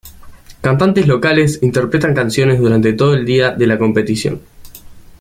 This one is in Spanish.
Cantantes locales interpretan canciones durante todo el día de la competición.